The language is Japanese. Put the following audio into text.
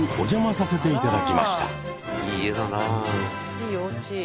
いいおうち。